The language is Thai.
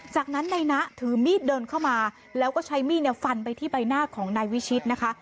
จากนั้นนายนะถือมีดเดินเข้ามาแล้วก็ใช้มีดฟันไปที่ใบหน้าของนายวิชิตนะคะ